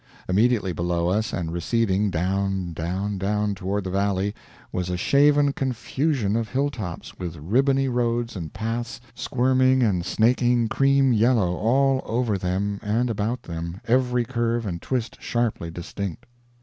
Immediately below us, and receding down, down, down, toward the valley, was a shaven confusion of hilltops, with ribbony roads and paths squirming and snaking cream yellow all over them and about them, every curve and twist sharply distinct.